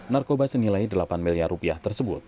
narkoba senilai delapan miliar rupiah tersebut